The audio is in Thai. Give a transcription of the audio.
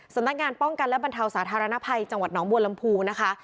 สำนักงานป้องกันและบรรเทาสาธารณภัยจังหวัดหนองบัวลำพูนะคะ